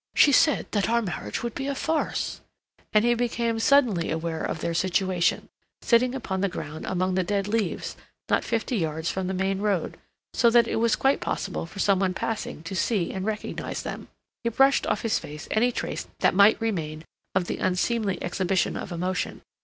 "She said that our marriage would be a farce," and he became suddenly aware of their situation, sitting upon the ground, among the dead leaves, not fifty yards from the main road, so that it was quite possible for some one passing to see and recognize them. He brushed off his face any trace that might remain of that unseemly exhibition of emotion.